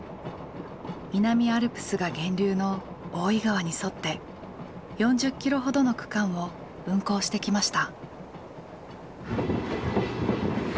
南アルプスが源流の大井川に沿って４０ｋｍほどの区間を運行してきました。